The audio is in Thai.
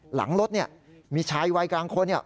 หลังรถเนี่ยมีชายวัยกลางคน